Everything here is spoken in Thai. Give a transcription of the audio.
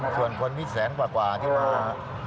ส่วนคนวิทยาลัยแสนกว่ากว่าที่มา